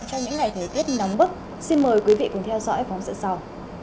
trong những ngày thời tiết nóng bức xin mời quý vị cùng theo dõi phóng sự sau